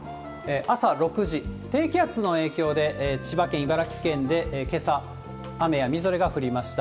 朝６時、低気圧の影響で、千葉県、茨城県でけさ、雨やみぞれが降りました。